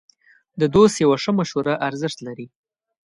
د دوست یوه ښه مشوره ارزښت لري.